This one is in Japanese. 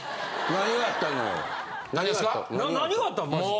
何があったのマジで。